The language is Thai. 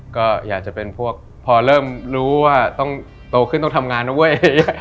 ก็อยากจะเป็นพวกพอเริ่มรู้ว่าต้องโตขึ้นต้องทำงานนะเว้ย